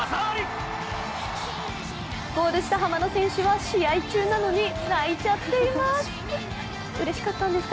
ゴールした浜野選手は試合中なのに泣いちゃっています。